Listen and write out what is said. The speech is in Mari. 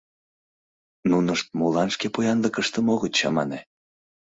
Нунышт молан шке поянлыкыштым огыт чамане?